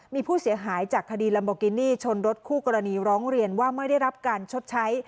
มีผู้เสียหายจากคดีลัมโบกินี่ชนรถคู่กรณีร้องเรียนว่าไม่ได้รับการชดใช้